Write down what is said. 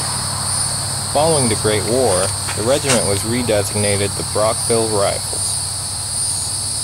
Following the Great War, the regiment was redisgnated The Brockville Rifles.